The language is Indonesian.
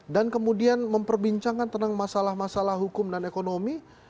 dan kemudian memperbincangkan tentang masalah masalah hukum dan ekonomi